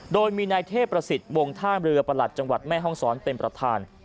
โดยมีนายเทพประสิทธิ์วงท่ามเรือประหลัดจังหวัดแม่ห้องศรเป็นประธาน